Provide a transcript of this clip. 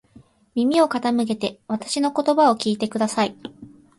耳を傾けてわたしの言葉を聞いてください。